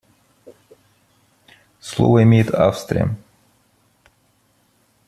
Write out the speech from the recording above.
Слово имеет Австрия.